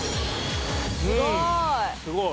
すごい。